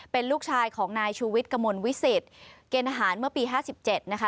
เป็นลูกชายของนายชูวิทย์กระมวลวิสิตเกณฑ์อาหารเมื่อปี๕๗นะคะ